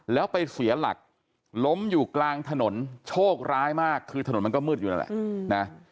แล้วไปเสียหลักล้มอยู่กลางถนนโชคร้ายมากคือถนนมันก็มืดอยู่นั่นแหละนะ